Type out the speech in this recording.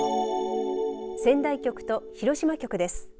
仙台局と広島局です。